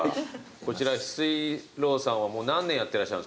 こちら翡翠楼さんはもう何年やってらっしゃるんですか？